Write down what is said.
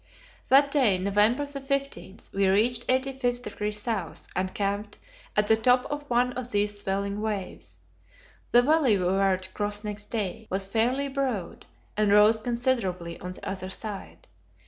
That day November 15 we reached 85° S., and camped at the top of one of these swelling waves. The valley we were to cross next day was fairly broad, and rose considerably on the other side.